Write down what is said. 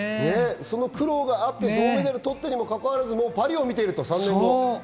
その苦労があって銅メダルを取ったにもかかわらず、もうパリを見ていると。